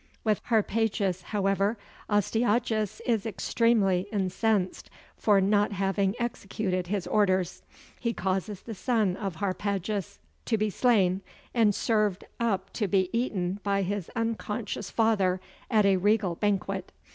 With Harpagus, however, Astyages is extremely incensed, for not having executed his orders: he causes the son of Harpagus to be slain, and served up to be eaten by his unconscious father at a regal banquet.